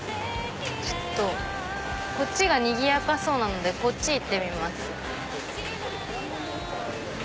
こっちがにぎやかそうなのでこっち行ってみます。